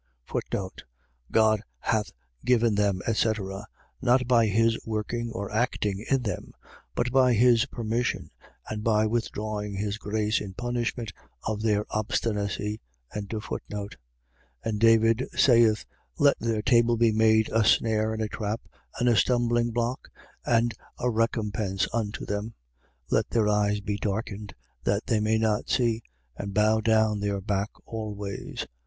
God hath given them, etc. . .Not by his working or acting in them; but by his permission, and by withdrawing his grace in punishment of their obstinacy. 11:9. And David saith: Let their table be made a snare and a trap and a stumbling block and a recompense unto them. 11:10. Let their eyes be darkened, that they may not see: and bow down their back always.